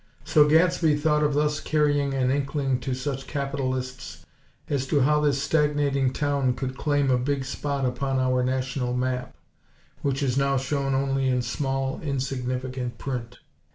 So Gadsby thought of thus carrying an inkling to such capitalists as to how this stagnating town could claim a big spot upon our national map, which is now shown only in small, insignificant print.